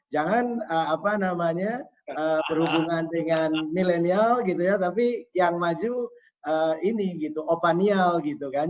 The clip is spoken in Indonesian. jangan apa namanya berhubungan dengan milenial gitu ya tapi yang maju ini gitu opanial gitu kan